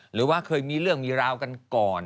หรือว่าเคยมีเรื่องมีราวกันก่อน